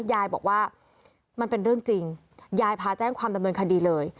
ยายบอกว่ามันเป็นเรื่องจริงยายพาแจ้งความดำเนินคดีเลย